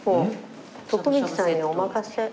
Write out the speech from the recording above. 徳光さんにおまかせ。